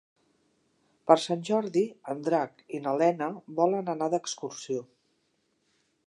Per Sant Jordi en Drac i na Lena volen anar d'excursió.